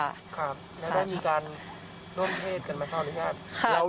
แล้วได้มีการร่วมเทศกันมาก่อนเนี่ยครับ